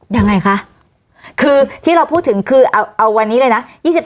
ยังไงคะคือที่เราพูดถึงคือเอาวันนี้เลยนะ